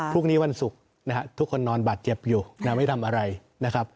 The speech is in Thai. พรุ่งนี้วันศุกร์นะฮะทุกคนนอนบาดเจ็บอยู่ไม่ทำอะไรนะครับ